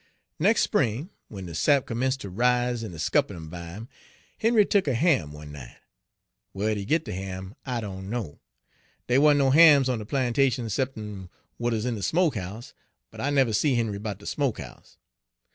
"Nex' spring, w'en de sap commence' ter rise in de scuppernon' vime, Henry tuk a ham one night. Whar'd he git de ham? I doan know; dey wa'n't no hams on de plantation 'cep'n' w'at 'uz in de smoke house, but I never see Henry 'bout de smoke house.